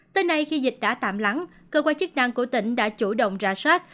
tới nay khi dịch đã tạm lắng cơ quan chức năng của tỉnh đã chủ động rà soát